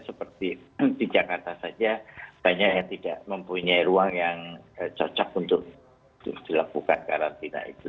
seperti di jakarta saja banyak yang tidak mempunyai ruang yang cocok untuk dilakukan karantina itu